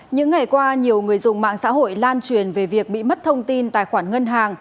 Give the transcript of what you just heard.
những ngày qua nhiều người dùng mạng xã hội lan truyền về việc bị mất thông tin tài khoản ngân hàng